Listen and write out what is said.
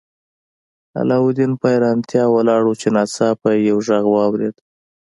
علاوالدین په حیرانتیا ولاړ و چې ناڅاپه یې یو غږ واورید.